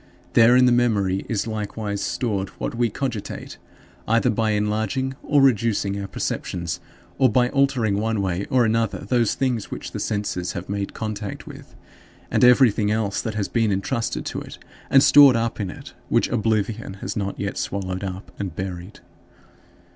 There, in the memory, is likewise stored what we cogitate, either by enlarging or reducing our perceptions, or by altering one way or another those things which the senses have made contact with; and everything else that has been entrusted to it and stored up in it, which oblivion has not yet swallowed up and buried.